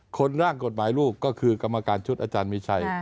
ร่างกฎหมายลูกก็คือกรรมการชุดอาจารย์มีชัย